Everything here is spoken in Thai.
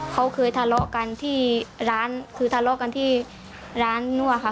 เขาเคยทะเลาะกันที่ร้านนั่วค่ะ